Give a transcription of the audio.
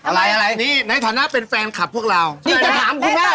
อะไรอะไรนี่ในฐานะเป็นแฟนคลับพวกเรานี่จะถามคุณว่า